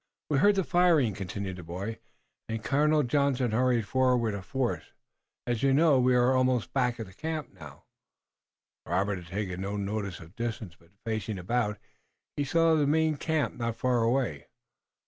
"We heard the firing," continued the boy, "and Colonel Johnson hurried forward a force, as you know. We are almost back at the camp now." Robert had taken no notice of distance, but facing about, he saw the main camp not far away.